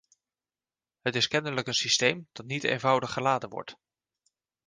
Het is kennelijk een systeem dat niet eenvoudig geladen wordt.